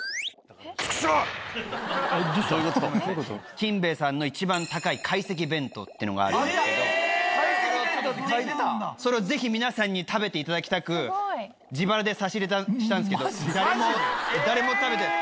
金兵衛さんの一番高い懐石弁当ってのがあるんですけどそれをぜひ皆さんに食べていただきたく自腹で差し入れしたんすけど誰も誰も食べてない。